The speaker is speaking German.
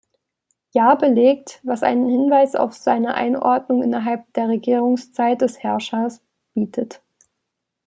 Jahr belegt, was einen Hinweis auf seine Einordnung innerhalb der Regierungszeit des Herrschers bietet.